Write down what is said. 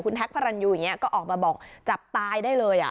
แท็กพระรันยูอย่างนี้ก็ออกมาบอกจับตายได้เลย